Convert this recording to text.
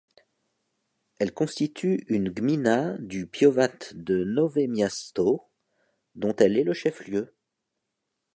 Elle constitue une gmina du powiat de Nowe Miasto, dont elle est le chef-lieu.